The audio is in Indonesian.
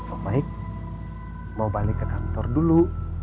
oh baik mau balik ke kantor dulu